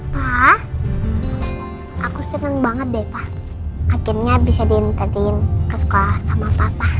pak aku seneng banget deh pak akhirnya bisa di ntarin ke sekolah sama papa